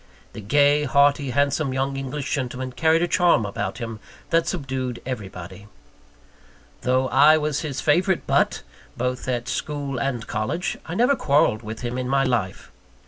The gay, hearty, handsome young English gentleman carried a charm about him that subdued everybody. Though I was his favourite butt, both at school and college, I never quarrelled with him in my life.